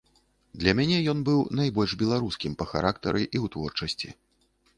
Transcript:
Для мяне ён быў найбольш беларускім па характары і ў творчасці.